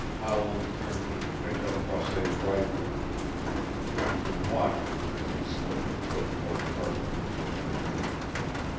Howland turned and picked up Croisset's rifle. The Frenchman watched him as he slipped a clip full of cartridges into the breech.